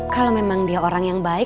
kalau memang dia orang yang baik